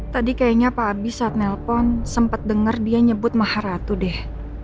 tadi kayaknya pak abis saat nelpon sempat dengar dia nyebut maharatu deh